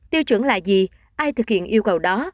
tiêu chuẩn là gì ai thực hiện yêu cầu đó